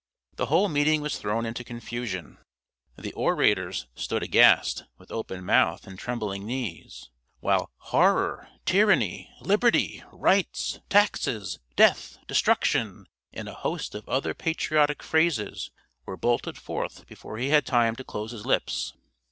The whole meeting was thrown into confusion the orators stood aghast, with open mouth and trembling knees, while "Horror!" "Tyranny!" "Liberty!" "Rights!" "Taxes!" "Death!" "Destruction!" and a host of other patriotic phrases, were bolted forth before he had time to close his lips.